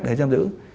để giam giữ